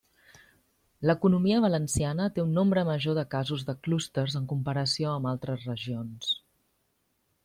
L'economia valenciana té un nombre major de casos de clústers en comparació amb altres regions.